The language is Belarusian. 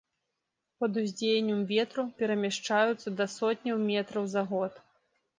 Пад уздзеяннем ветру перамяшчаюцца да сотняў метраў за год.